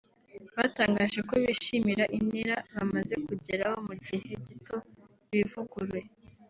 batangaje ko bishimira intera bamaze kugeraho mu gihe gito bivuguruye